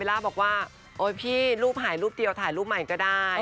ล่าบอกว่าโอ๊ยพี่รูปถ่ายรูปเดียวถ่ายรูปใหม่ก็ได้